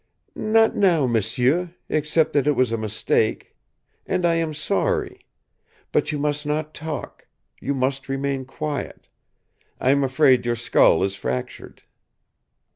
"Not now, m'sieu except that it was a mistake, and I am sorry. But you must not talk. You must remain quiet. I am afraid your skull is fractured."